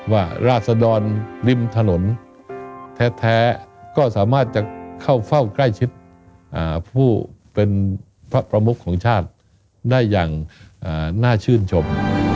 ราศดรริมถนนแท้ก็สามารถจะเข้าเฝ้าใกล้ชิดผู้เป็นพระประมุขของชาติได้อย่างน่าชื่นชม